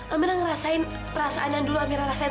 amira merasakan perasaan yang dulu amira merasakan